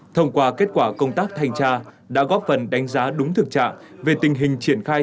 thông qua kết quả công tác thanh tra đã góp phần đánh giá đúng thực trạng về tình hình triển khai